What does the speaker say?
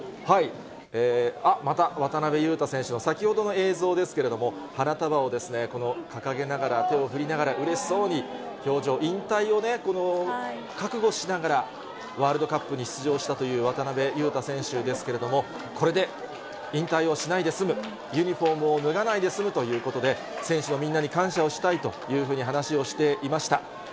あ、また渡邊雄太選手の先ほどの映像ですけれども、花束を掲げながら、手を振りながら、うれしそうに表情、引退をね、覚悟しながら、ワールドカップに出場したという渡邊雄太選手ですけれども、これで引退をしないで済む、ユニホームを脱がないですむということで、選手のみんなに感謝をしたいというふうに話をしていました。